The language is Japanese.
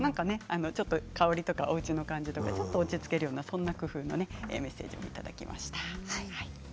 ちょっと香りとかおうちの感じとか落ち着けるような工夫をメッセージいただきました。